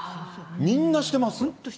みんなしてます。